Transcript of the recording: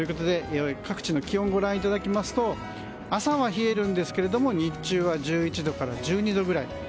各地の気温をご覧いただきますと朝は冷えるんですけれども日中は１１度から１２度くらい。